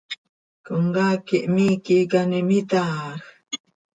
¿Comcaac quih miiqui icaanim itaaj?